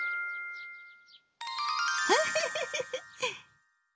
フフフフ。